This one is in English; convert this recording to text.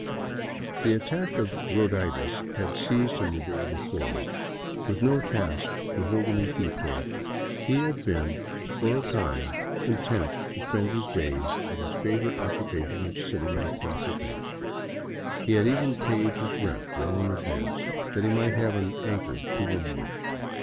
The attack of roaditis had seized him the day before. With no task to hold him in Quito, he had been for a time content to spend his days at his favorite occupation of sitting on a plaza bench. He had even paid his rent well in advance, that he might have an anchor to windward.